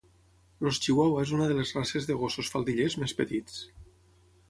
Els Chihuahua és una de les races de gossos faldillers més petits.